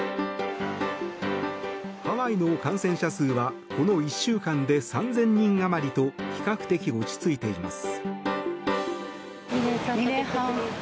ハワイの感染者数はこの１週間で３０００人余りと比較的落ち着いています。